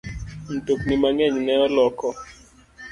Mtokni mang'eny ne oloko